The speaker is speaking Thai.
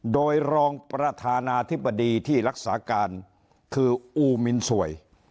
โดยรองประธานาธิบดีที่รักษาการคืออูมินสวย